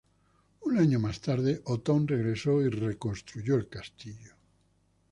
Un año más tarde Otón regresó y reconstruyó el castillo.